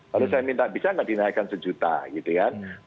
lalu saya minta bisa nggak dinaikkan sejuta gitu kan